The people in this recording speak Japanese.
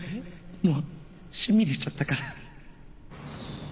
もうしんみりしちゃったから。